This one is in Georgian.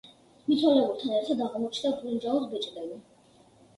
მიცვალებულთან ერთად აღმოჩნდა ბრინჯაოს ბეჭდები.